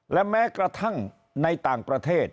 และแม้กระทั่งในต่างประเทศ